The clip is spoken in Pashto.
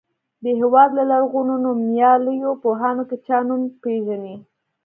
د هېواد له لرغونو نومیالیو پوهانو کې چا نوم پیژنئ.